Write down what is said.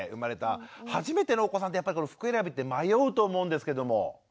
初めてのお子さんって服選びって迷うと思うんですけども。